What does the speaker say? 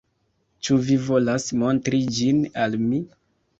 Ĉu vi volas montri ĝin al mi?